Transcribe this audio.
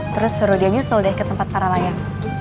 terus suruh dia nyusul deh ke tempat para layang